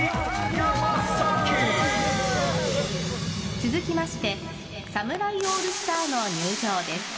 「続きまして侍オールスターの入場です」